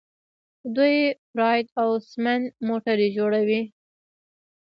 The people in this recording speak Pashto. دوی پراید او سمند موټرې جوړوي.